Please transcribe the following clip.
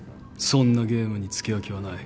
そんなゲームに付き合う気はない。